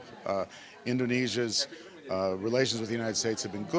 hubungan indonesia dengan amerika serikat sudah baik